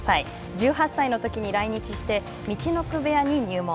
１８歳のときに来日して、陸奥部屋に入門。